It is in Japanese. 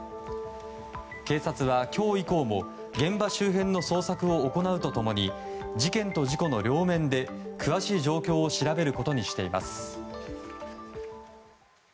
警察は今日以降も現場周辺の捜索を行うと共に事件と事故の両面で詳しい状況を調べることにしています。